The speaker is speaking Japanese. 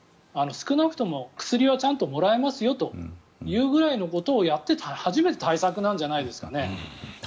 少なくとも薬はちゃんともらえますよというぐらいのことをやって初めて対策なんじゃないですかね。